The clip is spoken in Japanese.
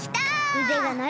うでがなる！